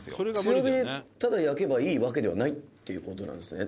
「強火でただ焼けばいいわけではないっていう事なんですね」